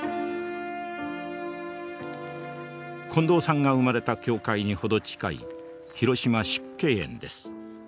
近藤さんが生まれた教会に程近い広島縮景園です。